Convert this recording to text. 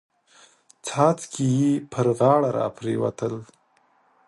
څاڅکي يې پر غاړه را پريوتل.